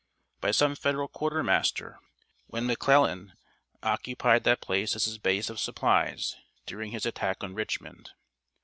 ] by some Federal quartermaster, when McClellan occupied that place as his base of supplies during his attack on Richmond.